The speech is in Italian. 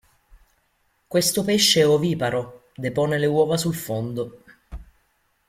Questo pesce è oviparo: depone le uova sul fondo.